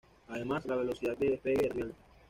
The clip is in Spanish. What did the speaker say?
Además, la velocidad de despegue era muy alta.